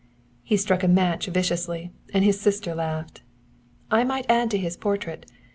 He struck a match viciously, and his sister laughed. "I might add to his portrait.